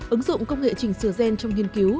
ứng dụng công nghệ trình sửa gen trong nghiên cứu